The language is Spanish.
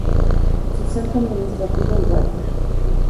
Su centro administrativo es Walker.